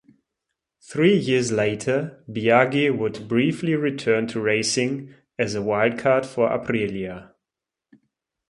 Three years later, Biaggi would briefly return to racing as a wildcard for Aprilia.